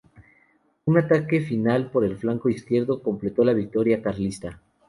Un ataque final por el flanco izquierdo completó la victoria carlista.